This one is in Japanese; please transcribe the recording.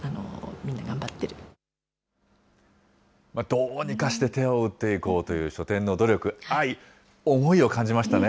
どうにかして手を打っていこうという、書店の努力、愛、思いを感じましたね。